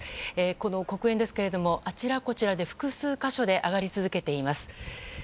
この黒煙ですがあちらこちらで複数箇所で上がり続けています。